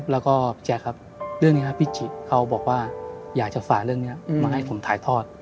แล้วก็พี่แจ๊คครับเรื่องนี้ครับพี่จิเขาบอกว่าอยากจะฝ่าเรื่องนี้มาให้ผมถ่ายทอด